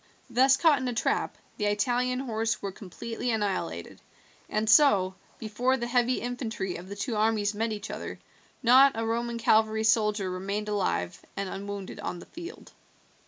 Thus caught in a trap the Italian horse were completely annihilated, and so, before the heavy infantry of the two armies met each other, not a Roman cavalry soldier remained alive and unwounded on the field.